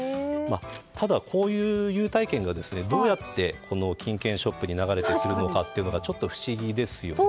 ただ、こういう優待券がどうやって金券ショップに流れてくるのかがちょっと不思議ですよね。